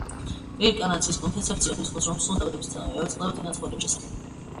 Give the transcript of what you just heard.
რეინკარნაციის კონცეფცია გულისხმობს, რომ სულს დაბადებისთანავე ავიწყდება წინა ცხოვრებების შესახებ.